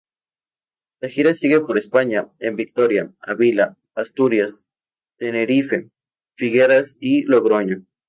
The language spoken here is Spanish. La gira sigue por España en Vitoria, Ávila, Asturias, Tenerife, Figueras y Logroño.